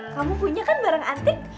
kamu punya kan barang antik